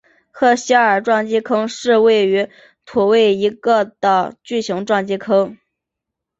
赫歇尔撞击坑是位于土卫一的一个巨型撞击坑。